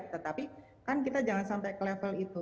tetapi kan kita jangan sampai ke level itu